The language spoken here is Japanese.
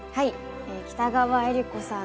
北川悦吏子さん